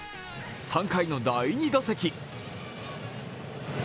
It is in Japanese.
３回の第２打席。